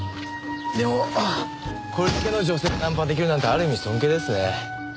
でもこれだけの女性をナンパ出来るなんてある意味尊敬ですね。